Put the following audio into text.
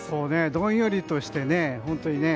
どんよりとして本当にね。